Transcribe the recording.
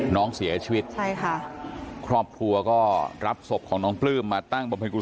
น้องเสียชีวิตใช่ค่ะครอบครัวก็รับศพของน้องปลื้มมาตั้งบำเพ็กกุ